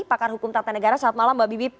pakar hukum tata negara